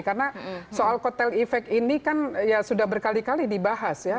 karena soal kotel efek ini kan ya sudah berkali kali dibahas ya